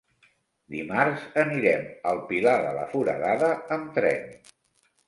Dimarts anirem al Pilar de la Foradada amb tren.